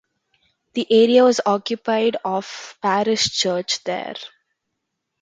The area was occupied of parish church there.